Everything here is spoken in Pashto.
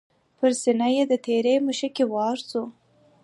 پر سینه یې د تیرې مشوکي وار سو